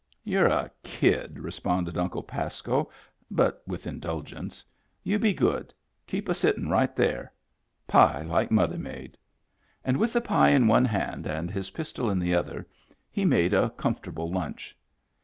"You're a kid," responded Uncle Pasco, but with indulgence. " You be good. Keep a sittin* right there. Pie like mother made." And with the pie in one hand and his pistol in the other he made a comfortable lunch.